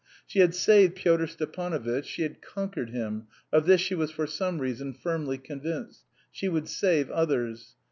She had saved Pyotr Stepanovitch, she had conquered him (of this she was for some reason firmly convinced); she would save others.